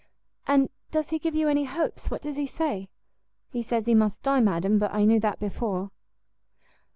"And does he give you any hopes? what does he say?" "He says he must die, madam, but I knew that before."